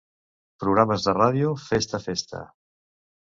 Programes de ràdio Fes ta festa.